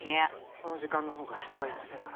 この時間のほうが人がいませんから。